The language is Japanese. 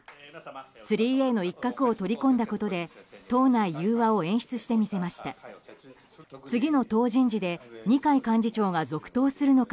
３Ａの一角を取り込んだことで党内融和を演出して見せました。